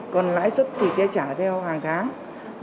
còn lãi xuất thì sẽ trả theo hàng tháng